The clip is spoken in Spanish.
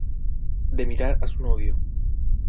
de mirar a su novio.